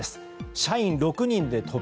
社員６人で渡米。